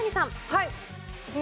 はい。